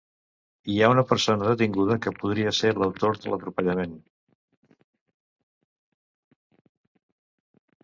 Hi ha una persona detinguda que podria ser l’autor de l’atropellament.